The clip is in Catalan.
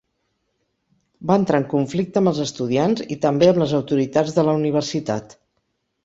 Va entrar en conflicte amb els estudiants i també amb les autoritats de la Universitat.